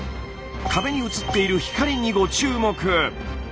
壁に映っている光にご注目。